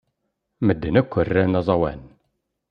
Medden akk ran aẓawan.